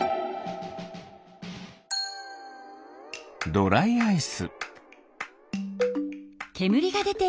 ドライアイス。